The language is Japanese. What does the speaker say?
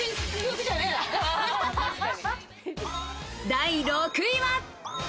第６位は。